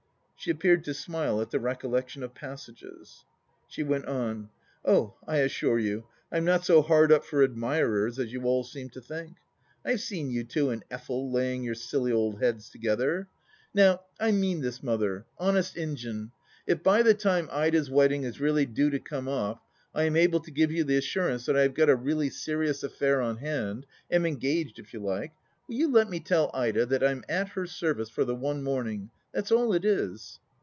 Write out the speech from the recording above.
..." She appeared to smile at the recollection of " passages." ... She went on :" Oh, I assure you, I'm not so hard up for admirers as you all seem to think — I've seen you two and Effel laying your silly old heads together. Now — I mean THE LAST DITCH 29 this, Mother ; honest Injun !— if by the time Ida's wedding is really due to come off I am able to give you the assurance that I have got a really serious affair on hand — am engaged if you like — ^will you let me tell Ida that I'm at her service for the one morning — that's all it is